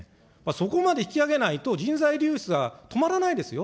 そこまで引き上げないと、人材流出は止まらないですよ。